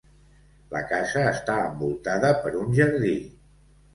La casa està envoltada per un jardí.